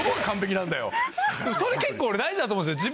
それ結構大事だと思うんですよ